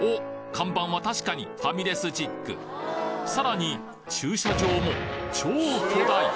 看板は確かにファミレスチック更に駐車場も超巨大！